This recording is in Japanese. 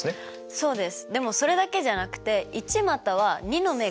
そうです。